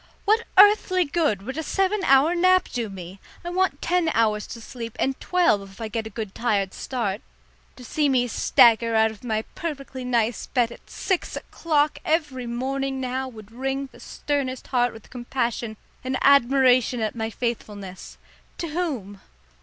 What earthly good would a seven hour nap do me? I want ten hours to sleep and twelve if I get a good tired start. To see me stagger out of my perfectly nice bed at six o'clock every morning now would wring the sternest heart with compassion and admiration at my faithfulness to whom?